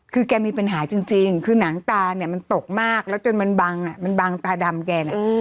คือแกมีปัญหาจริงคือหนังตาเนี่ยมันตกมากแล้วจนมันบังมันบังตาดำแกน่ะ